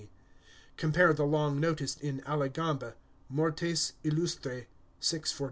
Compare the long notice in Alegambe, Mortes Illustres, 644.